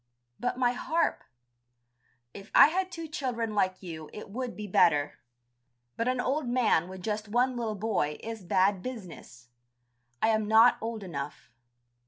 "But my harp...." "If I had two children like you it would be better. But an old man with just one little boy is bad business. I am not old enough.